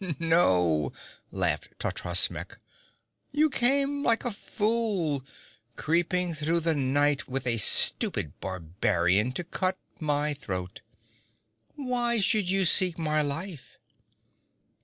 'No,' laughed Totrasmek, 'you came like a fool, creeping through the night with a stupid barbarian to cut my throat. Why should you seek my life?'